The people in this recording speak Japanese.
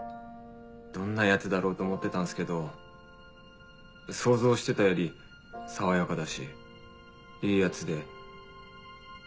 どんなヤツだろうと思ってたんすけど想像してたより爽やかだしいいヤツで。